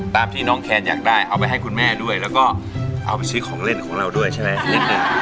ตามที่น้องแคนอยากได้เอาไปให้คุณแม่ด้วยแล้วก็เอาไปซื้อของเล่นของเราด้วยใช่ไหม